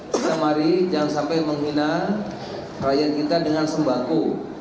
kita mari jangan sampai menghina rakyat kita dengan sembangku